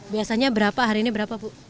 biasanya berapa hari ini berapa bu